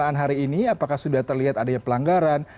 pelaksana hari ini apakah sudah terlihat adanya pelanggaran